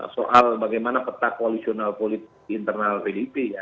soal bagaimana peta koalisional politik di internal pdip ya